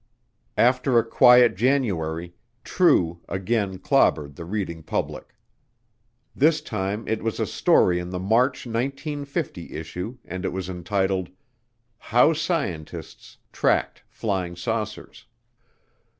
After a quiet January, True again clobbered the reading public. This time it was a story in the March 1950 issue and it was entitled, "How Scientists Tracked Flying Saucers."